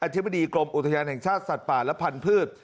ธิบดีกรมอุทยานแห่งชาติสัตว์ป่าและพันธุ์